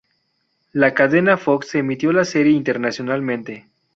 La cadena Fox emitió la serie internacionalmente.